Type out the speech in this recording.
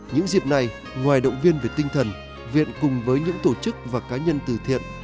những dịp này ngoài động viên về tinh thần viện cùng với những tổ chức và cá nhân từ thiện